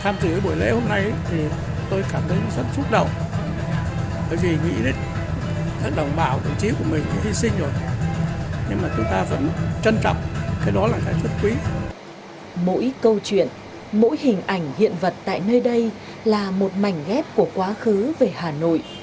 mỗi câu chuyện mỗi hình ảnh hiện vật tại nơi đây là một mảnh ghép của quá khứ về hà nội